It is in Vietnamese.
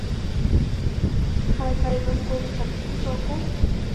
Hai tay vẫn ôm chặt hũ tro cốt